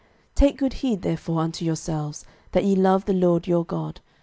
06:023:011 Take good heed therefore unto yourselves, that ye love the LORD your God.